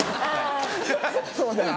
そうだよな。